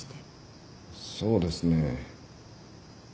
そうですね。